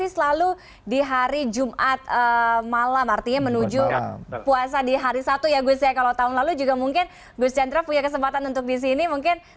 selamat pagi waalaikumsalam